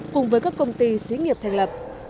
cùng với các công ty xí nghiệp thành lập